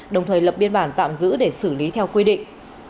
đồng thời lập biên bản tạm giữ để xử lý theo quy định